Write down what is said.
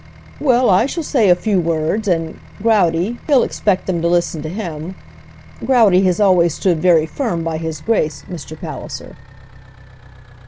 "Well, I shall say a few words; and Growdy, he'll expect them to listen to him. Growdy has always stood very firm by his grace, Mr. Palliser."